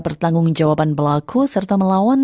pertanggung jawaban berlaku serta melawan